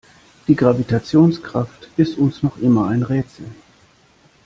Die Gravitationskraft ist uns noch immer ein Rätsel.